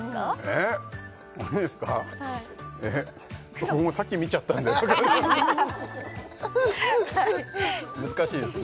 えっこれもさっき見ちゃったんで難しいですね